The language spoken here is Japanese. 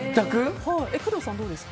工藤さんはどうですか？